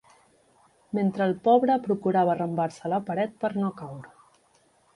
Mentre el pobre procurava arrambar-se a la paret per no caure